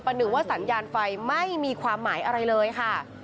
หนึ่งว่าสัญญาณไฟไม่มีความหมายอะไรเลยค่ะ